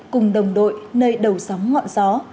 cùng đồng đội nơi đầu sóng ngọn gió